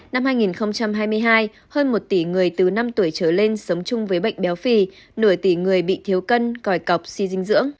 năm hai nghìn hai mươi hai hơn một tỷ người từ năm tuổi trở lên sống chung với bệnh béo phì nửa tỷ người bị thiếu cân còi cọc suy dinh dưỡng